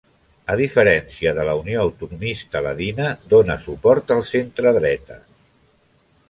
A diferència de la Unió Autonomista Ladina, dóna suport al centredreta.